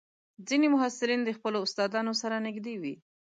ځینې محصلین د خپلو استادانو سره نږدې وي.